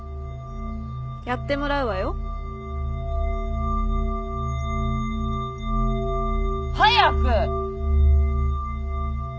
やってもらうわよ。早く！